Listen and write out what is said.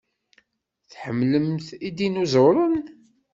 Tḥemmlemt idinuẓuren?